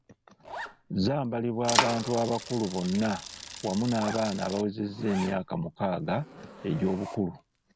Zambalibwa abantu abakulu bonna wamu n’abaana abawezezza emyaka mukaaga egy’obukulu.